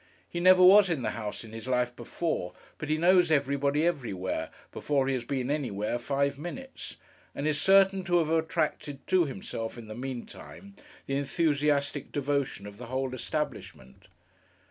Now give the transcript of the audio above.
He never was in the house in his life before; but he knows everybody everywhere, before he has been anywhere five minutes; and is certain to have attracted to himself, in the meantime, the enthusiastic devotion of the whole establishment.